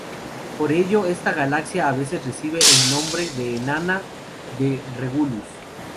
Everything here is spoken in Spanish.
Por ello, esta galaxia a veces recibe el nombre de Enana de Regulus.